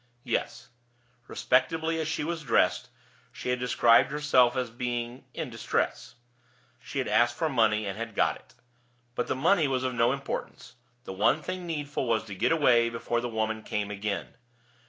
Yes; respectably as she was dressed, she had described herself as being "in distress"; had asked for money, and had got it. But the money was of no importance; the one thing needful was to get away before the woman came again.